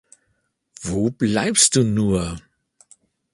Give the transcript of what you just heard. Wo bleibst du nur?